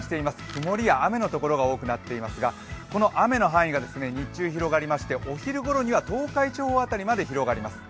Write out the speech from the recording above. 曇りや雨の所が多くなっていますが、この雨の範囲が日中広がりまして、お昼ごろには東海地方あたりまで広がります。